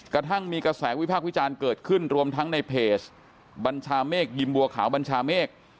กระทั่งมีกระแสวิพากษ์วิจารณ์เกิดขึ้นรวมทั้งในเพจบัญชาเมฆยิมบัวขาวบัญชาเมฆ